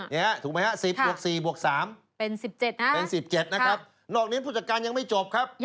นอกจากนี้ผู้จัดการยังไม่จบ